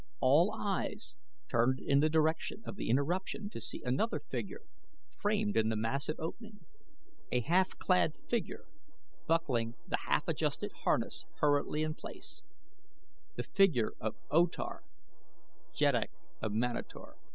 All eyes turned in the direction of the interruption to see another figure framed in the massive opening a half clad figure buckling the half adjusted harness hurriedly in place the figure of O Tar, Jeddak of Manator.